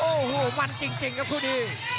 โอ้โหมันจริงครับคู่นี้